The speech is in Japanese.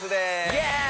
イエーイ！